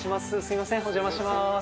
すいませんお邪魔します。